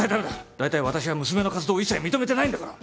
大体私は娘の活動を一切認めてないんだから。